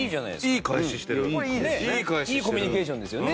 いいコミュニケーションですよね。